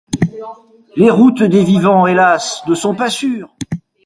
Les routes des vivants, hélas ! ne sont pas sûres